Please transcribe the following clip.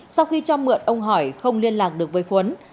sau khi cho mượn ông hỏi không liên lạc được với khuấn